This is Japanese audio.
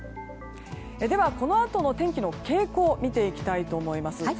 このあとの天気の傾向を見ていきたいと思います。